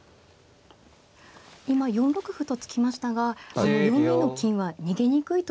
今４六歩と突きましたが４二の金は逃げにくいということなんですか。